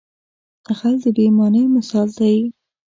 غل د بې ایمانۍ مثال دی